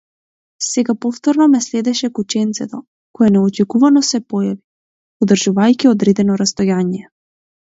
Сега повторно ме следеше кученцето, кое неочекувано се појави, одржувајќи одредено растојание.